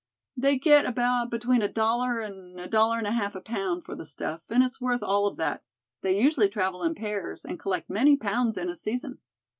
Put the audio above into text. They get about between a dollar and a dollar and a half a pound, for the stuff, and it's worth all of that. They usually travel in pairs, and collect many pounds in a season."